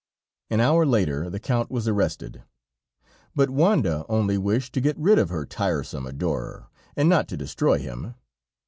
An hour later, the Count was arrested. But Wanda only wished to get rid of her tiresome adorer, and not to destroy him.